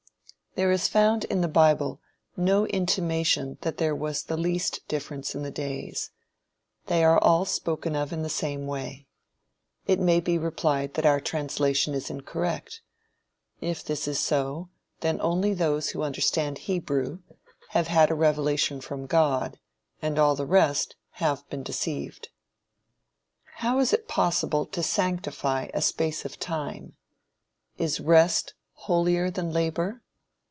There is found in the bible no intimation that there was the least difference in the days. They are all spoken of in the same way. It may be replied that our translation is incorrect. If this is so, then only those who understand Hebrew, have had a revelation from God, and all the rest have been deceived. How is it possible to sanctify a space of time? Is rest holier than labor?